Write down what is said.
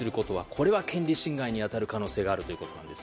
これは権利侵害に当たる可能性があるということです。